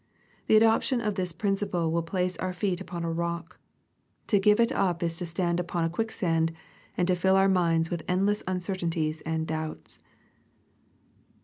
The adoption of this principle will place our feet upon a rock. To give it up is to stand upon a quicksand, and to fill our minds with endless uncertainties and doubts.